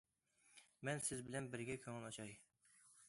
مەن سىز بىلەن بىرگە كۆڭۈل ئاچاي.